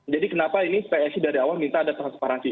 jadi kenapa ini pxi dari awal minta ada transparansi